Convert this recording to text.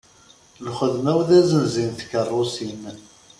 Lxedma-w d azenzi n tkeṛṛusin.